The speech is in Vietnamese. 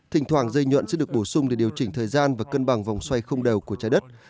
thỉnh thoảng dây nhuận sẽ được bổ sung để điều chỉnh thời gian và cân bằng vòng xoay không đều của trái đất